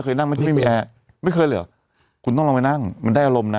นั่งไหมที่ไม่มีแอร์ไม่เคยเหรอคุณต้องลองไปนั่งมันได้อารมณ์นะ